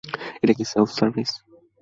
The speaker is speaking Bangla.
এটা কি সেলফ সার্ভিস?